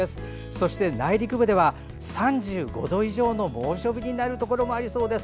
そして内陸部では３５度以上の猛暑日になるところもありそうです。